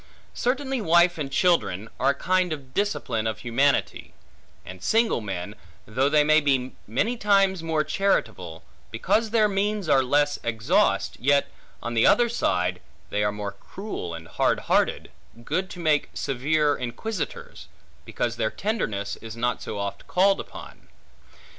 Certainly wife and children are a kind of discipline of humanity; and single men, though they may be many times more charitable, because their means are less exhaust, yet, on the other side, they are more cruel and hardhearted (good to make severe inquisitors), because their tenderness is not so oft called upon.